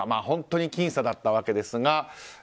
本当に僅差だったわけですが。